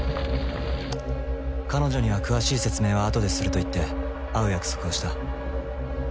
彼女には詳しい説明はあとですると言って会う約束をした。